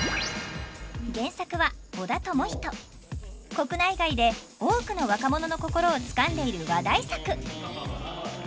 国内外で多くの若者の心をつかんでいる話題作！